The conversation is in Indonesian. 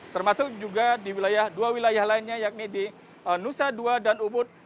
termasuk juga di dua wilayah lainnya yakni di nusa dua dan ubud